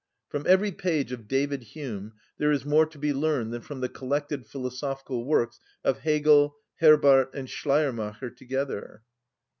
From every page of David Hume there is more to be learned than from the collected philosophical works of Hegel, Herbart, and Schleiermacher together.